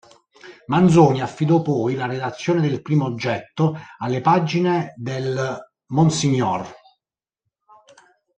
Manzoni affidò poi la redazione del primo getto alle pagine del ms.